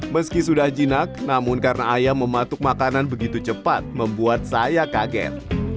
meski sudah jinak namun karena ayam mematuk makanan begitu cepat membuat saya kaget